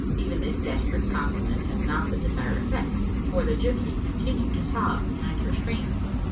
Even this desperate compliment had not the desired effect, for the gypsy continued to sob behind her screen.